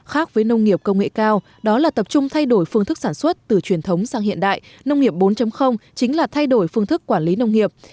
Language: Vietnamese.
khác với nông nghiệp công nghệ cao đó là tập trung thay đổi phương thức sản xuất từ truyền thống sang hiện đại nông nghiệp bốn chính là thay đổi phương thức quản lý nông nghiệp